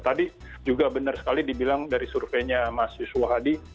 tadi juga benar sekali dibilang dari surveinya mas yusuf hadi